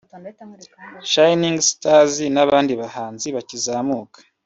Shinning Stars n’abandi bahanzi bakizamuka